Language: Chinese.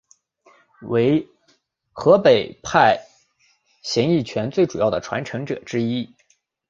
为河北派形意拳最主要的传承者之一。